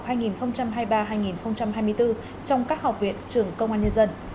triển khai chương trình nhiệm vụ năm học hai nghìn hai mươi ba hai nghìn hai mươi bốn trong các học viện trường công an nhân dân